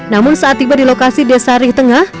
namun saat tiba di lokasi desa rih tengah